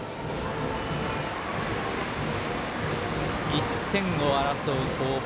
１点を争う攻防。